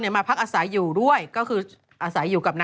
มั่วซั่วเลยนะ